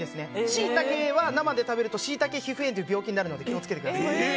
シイタケは生で食べるとシイタケ皮膚炎という病気になるので気を付けてください。